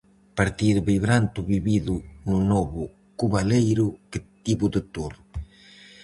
Partido vibrante o vivido no novo Cubaleiro que tivo de todo.